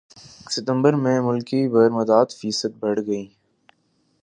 ستمبر میں ملکی برمدات فیصد بڑھ گئیں